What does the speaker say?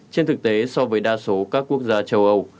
trên thực tế so với đa số các quốc gia châu âu